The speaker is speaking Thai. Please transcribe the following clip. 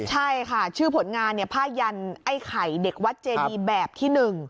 ใช่ค่ะชื่อผลงานผ้ายันไอ้ไข่เด็กวัดเจดีแบบที่๑